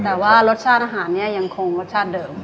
แต่ว่ารสชาติอาหารเนี่ยยังคงรสชาติเดิม